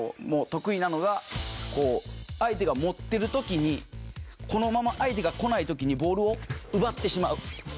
相手が持ってる時にこのまま相手が来ない時にボールを奪ってしまう。